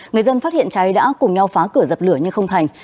người dân phát hiện cháy đã cùng nhau phá cửa dập lửa nhưng không thành